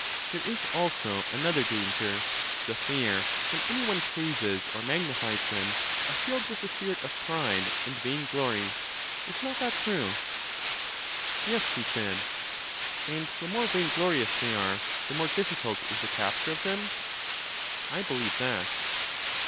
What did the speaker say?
There is also another danger; the fair, when any one praises or magnifies them, are filled LYSIS 53 with the spirit of pride and vain glory. Is not that true? Yes, he said. And the more vain glorious they are, the more dif ficult is the capture of them? I believe that.